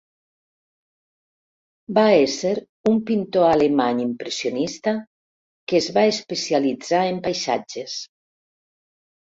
Va ésser un pintor alemany impressionista que es va especialitzar en paisatges.